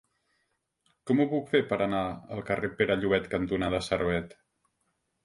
Com ho puc fer per anar al carrer Pere Llobet cantonada Servet?